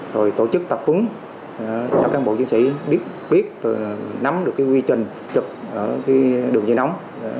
rồi tổ chức tập hứng cho các cán bộ chiến sĩ biết biết nắm được quy trình trực ở đường dây nóng hai mươi bốn hai mươi bốn